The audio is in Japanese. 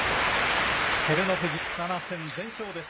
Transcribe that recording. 照ノ富士、７戦全勝です。